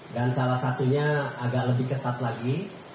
dan salah satunya agak lebih ketat lagi